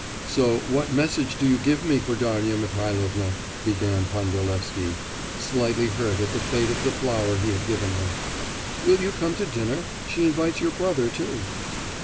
'So what message do you give me for Darya Mihailovna?' began Pandalevsky, slightly hurt at the fate of the flower he had given her. 'Will you come to dinner? She invites your brother too.